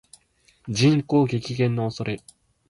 人口激減の恐れ